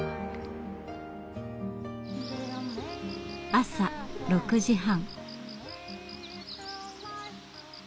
朝６時半。